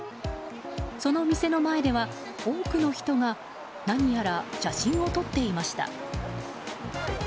その店の前では多くの人が何やら写真を撮っていました。